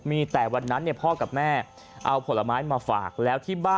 ชวมเหตุในคลิปนี่แหละครับ